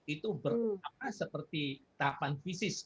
itu berapa seperti tahapan visis